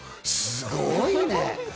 すごいね。